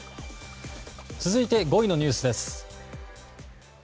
続いて５位のニュースです。